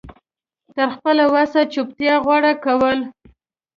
تر خپله وسه چوپتيا غوره کول